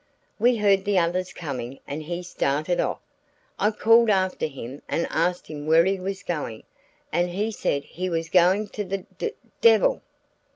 "We heard the others coming and he started off. I called after him and asked him where he was going, and he said he was going to the d devil."